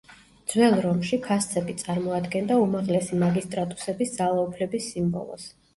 ძველ რომში ფასცები წარმოადგენდა უმაღლესი მაგისტრატუსების ძალაუფლების სიმბოლოს.